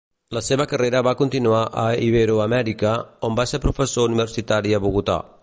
La seva carrera va continuar a Iberoamèrica, on va ser professor universitari a Bogotà.